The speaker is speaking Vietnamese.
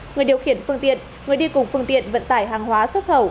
người điều khiển phương tiện người đi cùng phương tiện vận tải hàng hóa xuất khẩu